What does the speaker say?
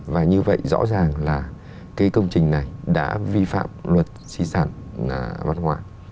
và như vậy rõ ràng là cái công trình này đã vi phạm luật di sản văn hóa